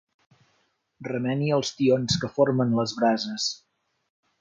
Remeni els tions que formen les brases.